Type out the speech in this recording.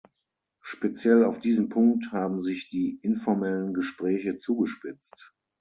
Speziell auf diesen Punkt haben sich die informellen Gespräche zugespitzt.